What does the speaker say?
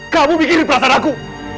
kamu bikin perasaan aku